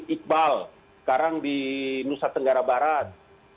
iqbal sekarang di nusa tenggara barat